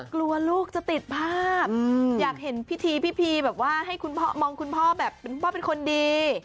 กลัวลูกจะติดภาพอยากเห็นพี่ทีพี่พีมองคุณพ่อเป็นคนดี